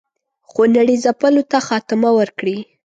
خونړي ځپلو ته خاتمه ورکړي.